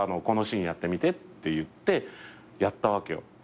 このシーンやってみて」って言ってやったわけよ。